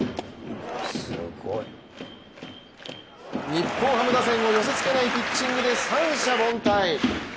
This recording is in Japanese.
日本ハム打線を寄せつけないピッチングで三者凡退。